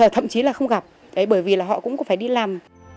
thậm chí là không gặp bởi vì là họ cũng phải đi làm